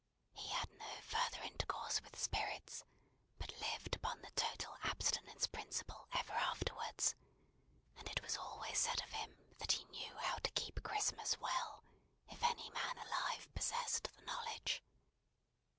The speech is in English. He had no further intercourse with Spirits, but lived upon the Total Abstinence Principle, ever afterwards; and it was always said of him, that he knew how to keep Christmas well, if any man alive possessed the knowledge.